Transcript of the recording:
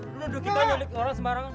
lu nuduh kita nyulik orang sembarangan